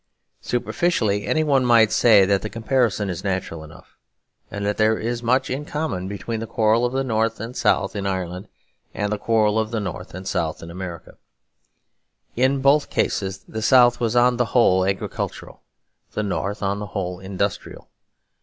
Superficially any one might say that the comparison is natural enough; and that there is much in common between the quarrel of the North and South in Ireland and the quarrel of the North and South in America. In both cases the South was on the whole agricultural, the North on the whole industrial.